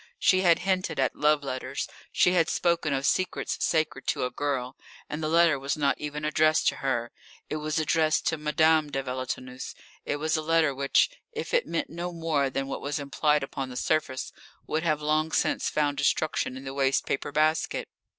She had hinted at love letters, she had spoken of secrets sacred to a girl; and the letter was not even addressed to her. It was addressed to Madame de Villetaneuse; it was a letter which, if it meant no more than what was implied upon the surface, would have long since found destruction in the waste paper basket.